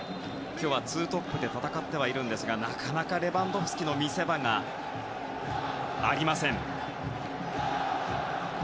今日は２トップで戦ってはいるんですがなかなかレバンドフスキの見せ場がありません。